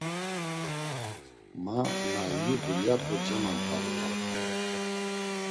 Ma na iyu dulyape cemant̆alu, ya utzu.